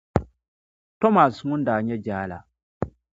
Tomas ŋun daa nyɛ jaa la.